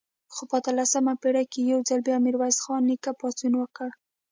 خو په اتلسمه پېړۍ کې یو ځل بیا میرویس خان نیکه پاڅون وکړ.